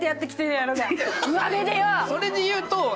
それで言うと。